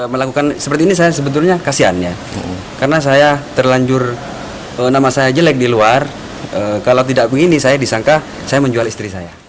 melakukan seperti ini saya sebetulnya kasihan ya karena saya terlanjur nama saya jelek di luar kalau tidak begini saya disangka saya menjual istri saya